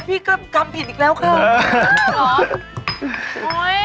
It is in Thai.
แท้พีชกำกรรมผิดอีกแล้วค่ะหรอ